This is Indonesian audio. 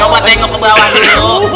bapak tengok ke bawah dulu